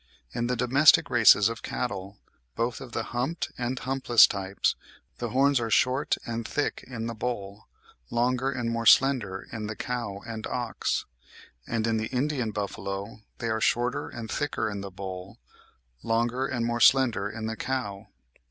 In the domestic races of cattle, both of the humped and humpless types, the horns are short and thick in the bull, longer and more slender in the cow and ox; and in the Indian buffalo, they are shorter and thicker in the bull, longer and more slender in the cow.